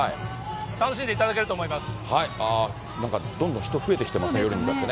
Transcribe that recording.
楽しんでいただけると思います。